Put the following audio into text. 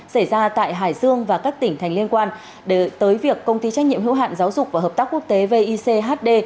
xảy ra tại hải dương và các tỉnh thành liên quan tới việc công ty trách nhiệm hữu hạn giáo dục và hợp tác quốc tế vichd